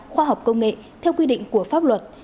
khoa học công nghệ theo quy định của pháp luật